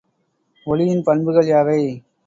ஒலியின் பண்புகள் யாவை?